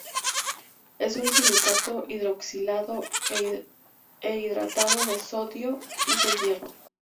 Es un silicato hidroxilado e hidratado de sodio y de hierro.